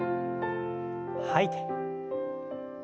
吐いて。